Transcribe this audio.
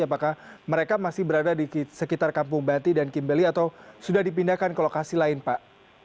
apakah mereka masih berada di sekitar kampung bati dan kimbeli atau sudah dipindahkan ke lokasi lain pak